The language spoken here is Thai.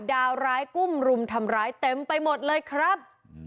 ดาวร้ายกุ้มรุมทำร้ายเต็มไปหมดเลยครับ